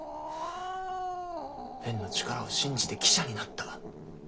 ペンの力を信じて記者になった。